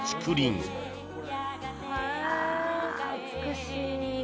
あ美しい。